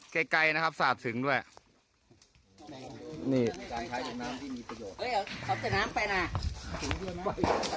ใกล้ใกล้นะครับสาดถึงด้วยนี่น้ำที่มีประโยชน์เฮ้ยเอาแต่น้ำไปน่ะ